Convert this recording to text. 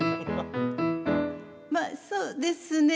まあそうですね